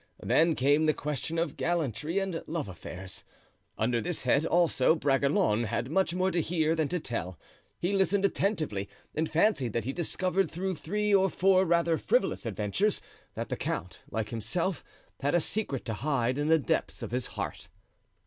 Then came the question of gallantry and love affairs. Under this head, also, Bragelonne had much more to hear than to tell. He listened attentively and fancied that he discovered through three or four rather frivolous adventures, that the count, like himself, had a secret to hide in the depths of his heart.